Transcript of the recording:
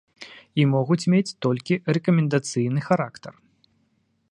І могуць мець толькі рэкамендацыйны характар.